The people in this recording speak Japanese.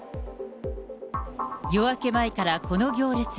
夜明け前からこの行列。